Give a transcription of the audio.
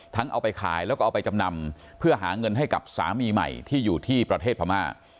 เอาไปขายแล้วก็เอาไปจำนำเพื่อหาเงินให้กับสามีใหม่ที่อยู่ที่ประเทศพม่า